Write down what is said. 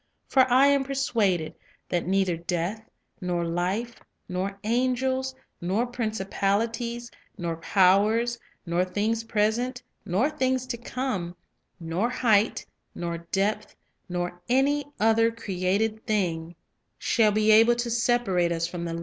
For I am persuaded, that neither death, nor life, nor angels, nor principalities, nor powers, nor things present, nor things to come, nor height, nor depth, nor any other created thing, a shall be able to The A biding Grentness With Christ IPiov.